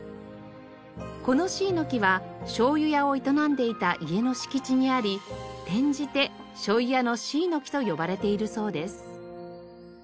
この椎の木はしょうゆ屋を営んでいた家の敷地にあり転じて「しょいやの椎の木」と呼ばれているそうです。